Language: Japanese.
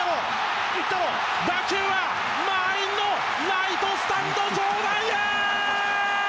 打球は満員のライトスタンド上段へ！